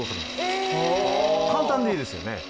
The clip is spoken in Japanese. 簡単でいいですよね。